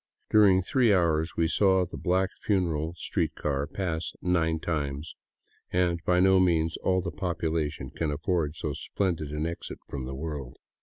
During three hours we saw the black funeral street car pass nine times — and by no means all the population can afford so splendid an exit from the world.